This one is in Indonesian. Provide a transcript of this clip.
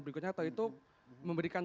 berikutnya atau itu memberikan